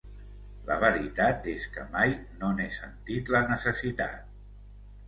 La veritat és que mai no n'he sentit la necessitat.